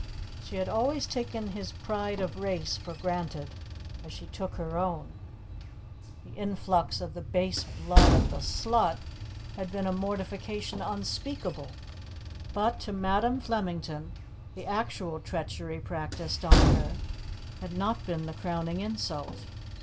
She had always taken his pride of race for granted, as she took her own. The influx of the base blood of the "slut" had been a mortification unspeakable, but to Madam Flemington, the actual treachery practised on her had not been the crowning insult.